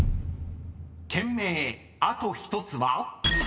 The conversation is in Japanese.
［県名あと１つは？］